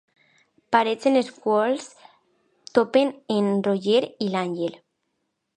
Parets en les quals topen en Roger i l'Àngel.